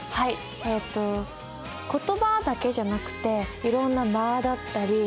えっと言葉だけじゃなくていろんな間だったり何だろう？